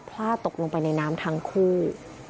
พลาดตกลงไปในน้ำทั้งคู่